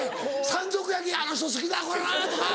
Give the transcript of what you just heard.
山賊焼きあの人好きだこれはとか。